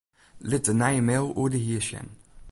Lit de nije mail oer de hier sjen.